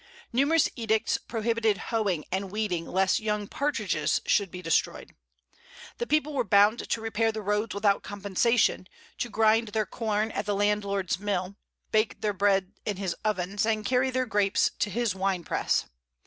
Numerous edicts prohibited hoeing and weeding, lest young partridges should be destroyed. The people were bound to repair the roads without compensation, to grind their corn at the landlord's mill, bake their bread in his ovens, and carry their grapes to his wine press.